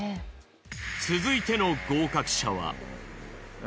続いての合格者は。